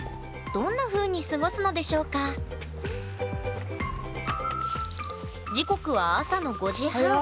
どんなふうに過ごすのでしょうか時刻は朝の５時半。